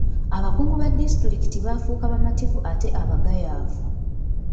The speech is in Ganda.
Abakungu ba disitulikiti baafuuka bamativu ate abagayaavu.